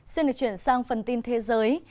xin được chuyển sang phần tin thế giới